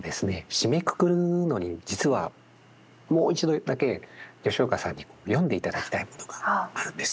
締めくくるのに実はもう一度だけ吉岡さんに読んでいただきたいものがあるんです。